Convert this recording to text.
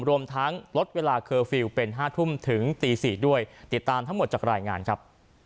รวมทั้งลดเวลาเคอร์ฟิลล์เป็น๕ทุ่มถึงตี๔ด้วยติดตามทั้งหมดจากรายงานครับ